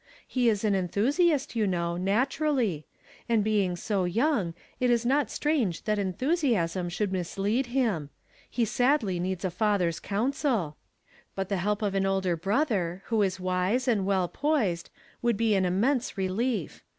He is an enthusiast, you know, naturally; and being so young, it is not strange that enthusiasm should mislead him. He sadly needs a father's counsel. But the help of an older brother, who is wise and well poised, would be an immense relief.